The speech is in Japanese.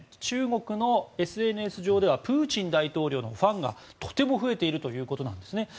中国のＳＮＳ上ではプーチン大統領のファンがとても増えているということなんです。